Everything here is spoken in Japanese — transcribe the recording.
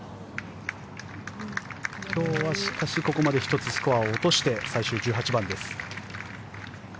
今日はしかし、ここまで１つスコアを落として最終１８番です。